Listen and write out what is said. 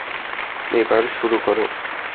এবার শুরু করো।